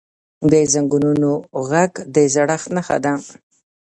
د زنګونونو ږغ د زړښت نښه ده.